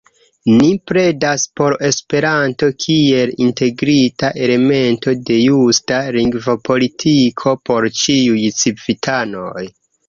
Ni pledas por Esperanto kiel integrita elemento de justa lingvopolitiko por ĉiuj civitanoj.